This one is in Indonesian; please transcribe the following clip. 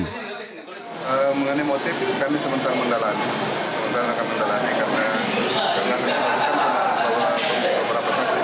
kami sementara mendalami karena kami sementara mendalami beberapa saksi